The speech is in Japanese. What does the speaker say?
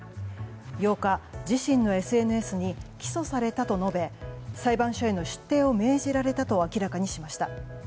８日、自身のＳＮＳに起訴されたと述べ裁判所への出廷を命じられたと明らかにしました。